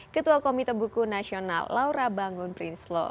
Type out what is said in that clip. ketua komite buku nasional laura bangun prinslo